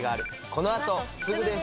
この後すぐです！